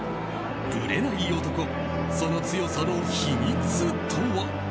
ブレない男その強さの秘密とは。